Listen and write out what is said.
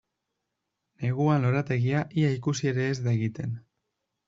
Neguan lorategia ia ikusi ere e da egiten.